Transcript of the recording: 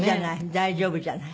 大丈夫じゃない。